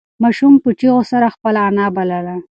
ماشوم په چیغو سره خپله انا بلله.